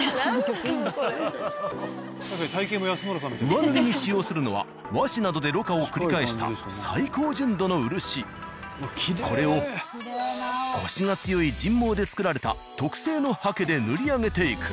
上塗りに使用するのは和紙などで濾過を繰り返したこれをコシが強い人毛で作られた特製のハケで塗り上げていく。